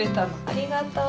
ありがとう。